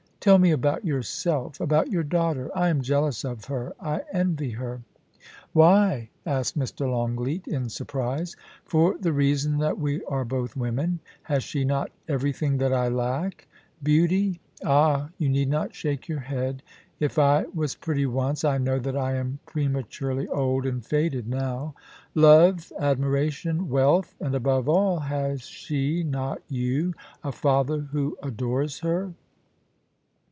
Tell me about yourself — about your daughter. I am jealous of her — I envy her. * Why ?* asked Mr. Longleat, in surprise. * For the reason that we are both women. Has she not everything that I lack ? Beauty — ah ! you need not shake your head. If I was pretty once, I know that I am prema turely old and faded now — love, admiration, wealth ; and above all, has she not you — a father who adores her